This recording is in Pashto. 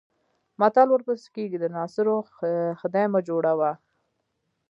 متل ورپسې کېږي د ناصرو خدۍ مه جوړوه.